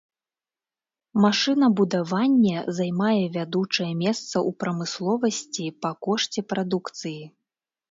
Машынабудаванне займае вядучае месца ў прамысловасці па кошце прадукцыі.